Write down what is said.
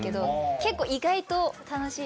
結構意外と楽しいです。